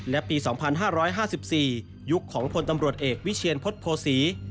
และปี๒๕๕๔ยุคของพลตำรวจเอกวิเชียนพฤษโภษี